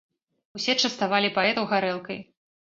Усе частавалі паэтаў гарэлкай.